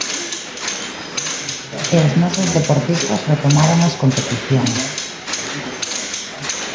E os nosos deportistas retomaron as competicións.